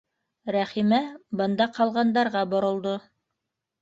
Рәхимә бында ҡалғандарға боролдо.